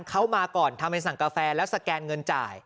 เขามาก่อนทำไมสั่งกาแฟแล้วสแกนเงินจ่าย